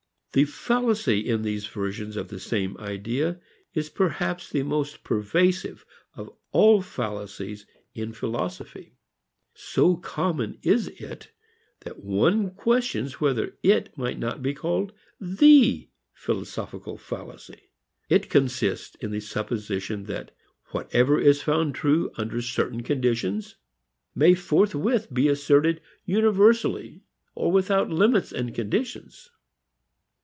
The fallacy in these versions of the same idea is perhaps the most pervasive of all fallacies in philosophy. So common is it that one questions whether it might not be called the philosophical fallacy. It consists in the supposition that whatever is found true under certain conditions may forthwith be asserted universally or without limits and conditions.